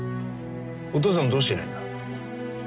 お父さんどうしていないんだ？